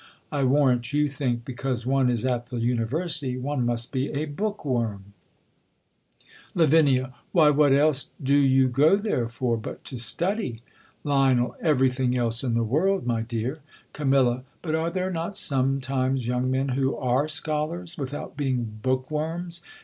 I warrant you thinlc, because one is at the University, one must be a book worm ! Lav. 256 THE COLUMBIAN ORATOR. L€Li\ Why, what else do you go there for but to'^ study ? Lio7u Every thing else in the world, my dear. Cam, But are there not sometimes young men who are scholars, without being book worms